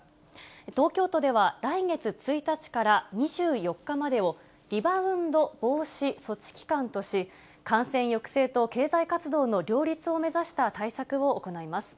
東京都では、来月１日から２４日までを、リバウンド防止措置期間とし、感染抑制と経済活動の両立を目指した対策を行います。